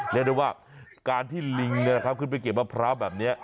เรียกได้ว่าการที่ลิงเนี่ยนะครับขึ้นไปเก็บมะพร้าวแบบนี้